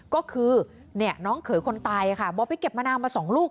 ก็คือน้องเขยคนตายค่ะบอกไปเก็บมะนาวมา๒ลูก